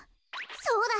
そうだ！